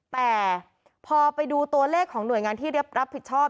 แต่พอไปดูตัวเลขของหน่วยงานที่รับผิดชอบ